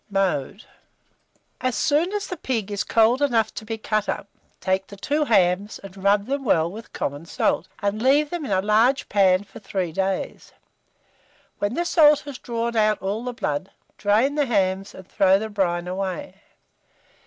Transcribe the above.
Mode. As soon as the pig is cold enough to be cut up, take the 2 hams and rub them well with common salt, and leave them in a large pan for 3 days. When the salt has drawn out all the blood, drain the hams, and throw the brine away.